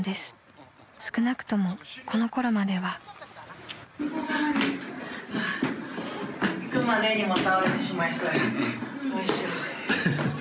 少なくともこのころまでは］ハァ行く前に倒れてしまいそうや。